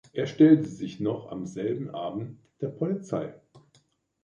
Er stellte sich noch am selben Abend der Polizei.